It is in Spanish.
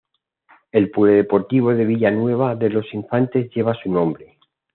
El polideportivo de Villanueva de los Infantes lleva su nombre.